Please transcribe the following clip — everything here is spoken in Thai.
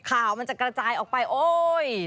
ข่าวมันจะกระจายออกไปโอ๊ย